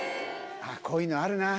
こういうのあるなぁ。